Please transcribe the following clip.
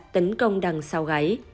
tấn công đằng sau gáy